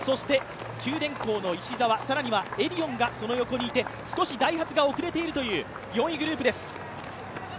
九電工の石澤、エディオンがその後ろにいて少しダイハツが遅れているという４位グループです。